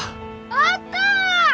あった！